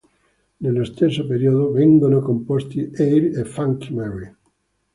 Nello stesso periodo vengono composti "Air" e "Funky Mary".